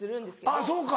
あっそうか。